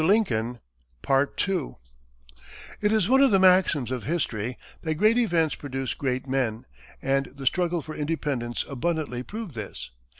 It is one of the maxims of history that great events produce great men, and the struggle for independence abundantly proved this.